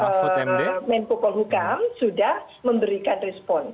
menteri pukul hukum sudah memberikan respon